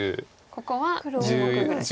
ここは１０目ぐらい。